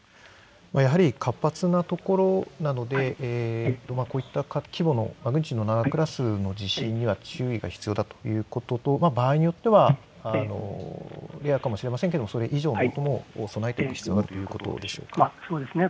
やはり活発なところなのでこういった規模のマグニチュード７クラスの地震には注意が必要だということと場合によってはレアかもしれませんがそれ以上のことにも備えていく必要があるということですね。